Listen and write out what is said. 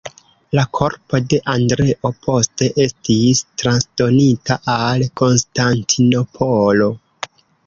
La korpo de Andreo poste estis transdonita al Konstantinopolo.